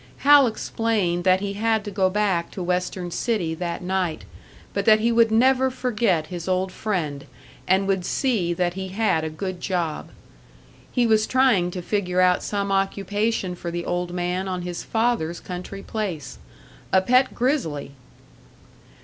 Hal explained that he had to go back to Western City that night, but that he would never forget his old friend, and would see that he had a good job. He was trying to figure out some occupation for the old man on his father's country place. A pet grizzly!